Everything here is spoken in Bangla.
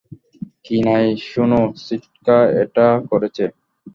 কিনাই, শোনো, সিটকা এটা করেছে।